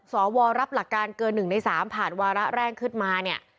สวรรค์รับหลักการเกินหนึ่งในสามผ่านวาระแรกขึ้นมาเนี่ย